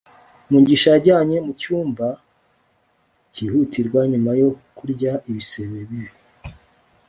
mugisha yajyanywe mu cyumba cyihutirwa nyuma yo kurya ibisebe bibi